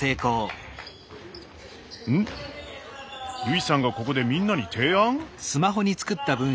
油井さんがここでみんなに提案？